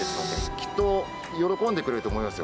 きっと喜んでくれると思いますよ。